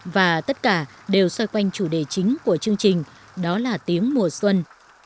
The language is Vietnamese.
và tất cả đều xoay quanh chủ đề chính của chương trình đó là tiếng mùa xuân